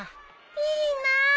いいな。